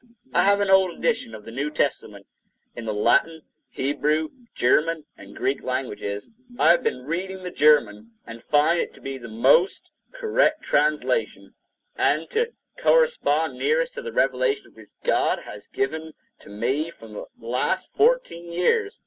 I have an old edition of the New Testament in the Latin, Hebrew, German and Greek languages. I have been reading the German, and find it to be the most [nearly] correct translation, and to correspond nearest to the revelations which God has given to me for the last fourteen years.